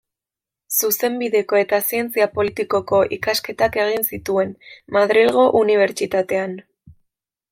Zuzenbideko eta zientzia politikoko ikasketak egin zituen, Madrilgo Unibertsitatean.